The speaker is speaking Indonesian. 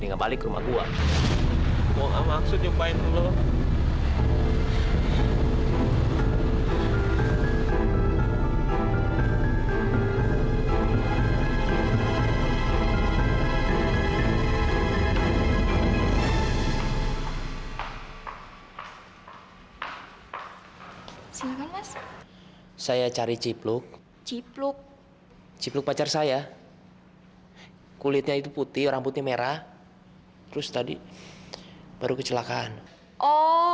enggak siapa sih tante cipro